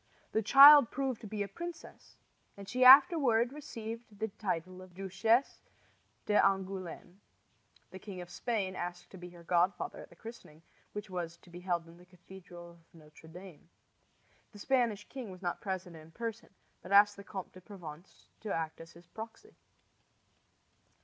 The child proved to be a princess, and she afterward received the title of Duchesse d'Angouleme. The King of Spain asked to be her godfather at the christening, which was to be held in the cathedral of Notre Dame. The Spanish king was not present in person, but asked the Comte de Provence to act as his proxy.